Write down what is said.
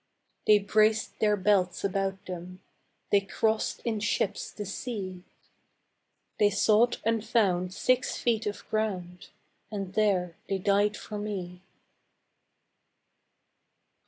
They braced their belts about them, They crossed in ships the sea, They sought and found six feet of ground, And there they died for me.